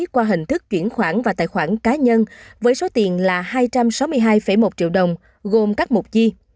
qua hình thức chuyển khoản và tài khoản cá nhân với số tiền là hai trăm sáu mươi hai một triệu đồng gồm các mục chi